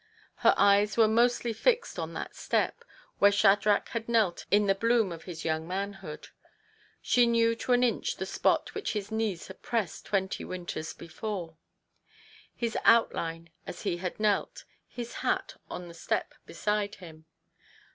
Her eyes were mostly fixed on that step, where Shadrach had knelt in the bloom of his young manhood : she knew to an inch the spot which his knees had pressed twenty winters before ; his outline as he had knelt, his hat on the step beside him.